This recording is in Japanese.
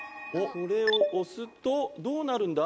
これを押すとどうなるんだ？